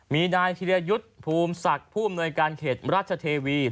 มีนายธิรยุทธ์ภูมิศักดิ์ผู้อำนวยการเขตราชเทวี